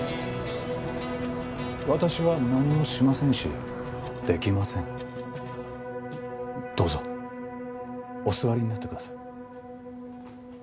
私は何もしませんしできませんどうぞお座りになってください